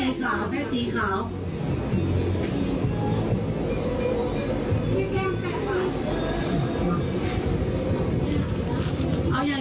เอาอย่างเดียวหรอค่ะเอาหอเดียวของนิดนึง